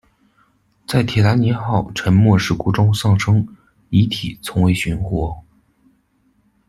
在铁达尼号沉没事故中丧生，遗体从未寻获。